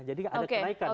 jadi ada kenaikan